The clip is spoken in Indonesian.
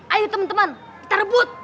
ayo temen temen kita rebut